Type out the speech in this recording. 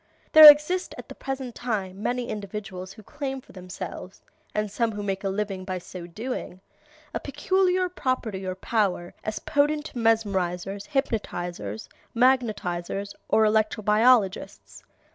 There exist at the present time many individuals who claim for themselves, and some who make a living by so doing, a peculiar property or power as potent mesmerizers, hypnotizers, magnetizers, or electro biologists.